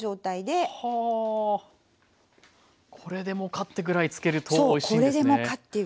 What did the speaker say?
これでもかってぐらいつけるとおいしいんですね。